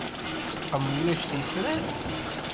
Tetḥeqqem ulac tifrat?